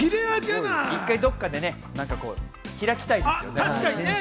一度どこかで開きたいですね。